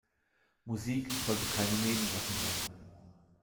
Musik sollte keine Nebensache sein.